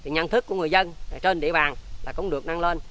nhận thức của người dân trên địa bàn cũng được nâng lên